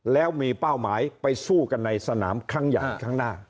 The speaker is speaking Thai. แล้วมีเป้าหมายไปสู้กันในสนามครั้งใหญ่ครั้งหน้า